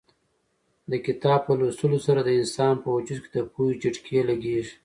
د کتاب په لوستلو سره د انسان په وجود کې د پوهې جټکې لګېږي.